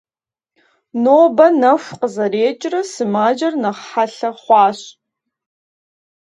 Нобэ нэху къызэрекӏрэ сымаджэр нэхъ хьэлъэ хъуащ.